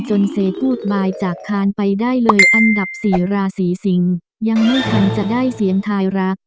เซพูดบายจากคานไปได้เลยอันดับสี่ราศีสิงศ์ยังไม่ทันจะได้เสียงทายรัก